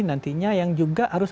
nantinya yang juga harus